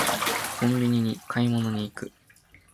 コンビニに買い物に行く